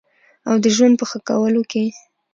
او د ژوند په ښه کولو کې